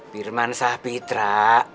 firman sah pitra